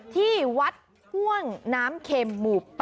ที่วัดห่วงน้ำเข็มหมู่๘